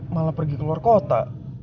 malah pergi ke luar kota